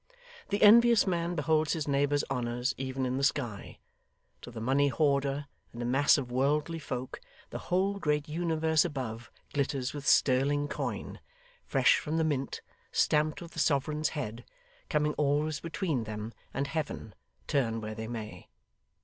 The envious man beholds his neighbours' honours even in the sky; to the money hoarder, and the mass of worldly folk, the whole great universe above glitters with sterling coin fresh from the mint stamped with the sovereign's head coming always between them and heaven, turn where they may.